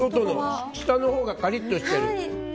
下のほうがカリッとしてる。